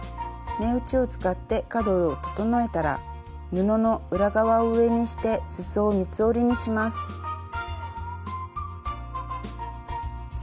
目打ちを使って角を整えたら布の裏側を上にしてすそを三つ折りにします。